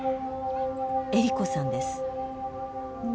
恵利子さんです。